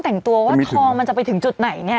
แบบถูกต้องแต่งตัวว่าทองมันจะไปถึงจุดไหนเนี่ย